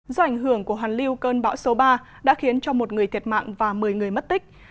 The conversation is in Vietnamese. do ảnh hưởng của hoàn lưu cơn bão số ba đã khiến cho một người thiệt mạng và một mươi người mất tích